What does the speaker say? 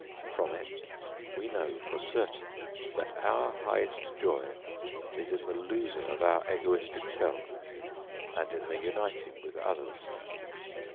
From it we know, for certain, that our highest joy is in the losing of our egoistic self and in the uniting with others.